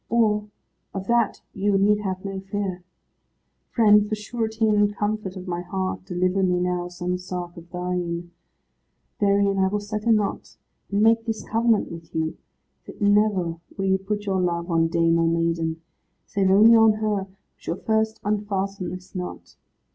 Of that you need have no fear. Friend, for surety and comfort of my heart deliver me now some sark of thine. Therein I will set a knot, and make this covenant with you, that never will you put your love on dame or maiden, save only on her who shall first unfasten this knot.